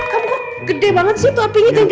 kamu kok gede banget sih itu apinya tinggi